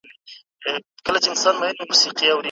ده د کروندګرو ستونزې اورېدلې او حل يې غوښت.